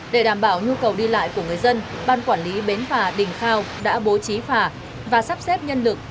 để đảm bảo nhu cầu đi lại của người dân ban quản lý bến phà đình khao đã bố trí phà và sắp xếp nhân lực